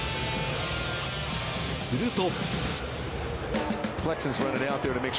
すると。